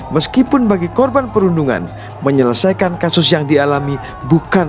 meskipun bagi korban perundungan menyelesaikan kasus yang dialami bukan